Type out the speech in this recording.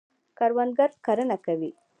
کروندګر کرنه کوي.